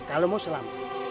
kalau mau selamat